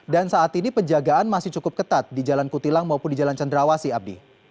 dan saat ini penjagaan masih cukup ketat di jalan kutilang maupun di jalan cendrawasi abdi